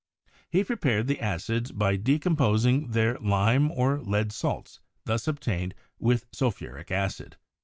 He prepared the acids by decomposing their lime or lead salts thus obtained with sulphuric acid.